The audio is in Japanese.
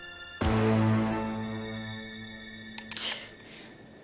チッ！